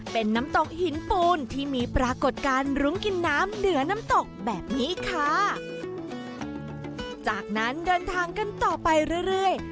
เป็นน้ำตกหินปูนที่มีปรากฏการณ์รุ้งกินน้ำเหนือน้ำตกแบบนี้ค่ะจากนั้นเดินทางกันต่อไปเรื่อยเรื่อย